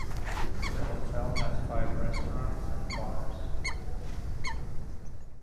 The hotel has five restaurants and bars.